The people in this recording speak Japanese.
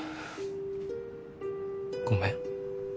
ごめん。